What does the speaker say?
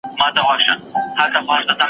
ته به پر کښينې يا به تکيه پر وکړې.